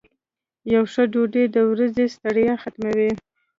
یو ښه ډوډۍ د ورځې ستړیا ختموي.